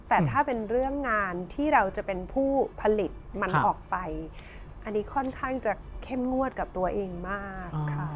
แต่ถ้าเป็นเรื่องงานที่เราจะเป็นผู้ผลิตมันออกไปอันนี้ค่อนข้างจะเข้มงวดกับตัวเองมากค่ะ